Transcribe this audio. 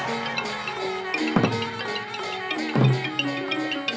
อ่าอ่าอ่า